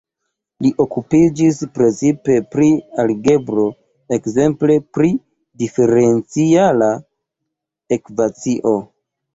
Li okupiĝis precipe pri algebro, ekzemple pri diferenciala ekvacio.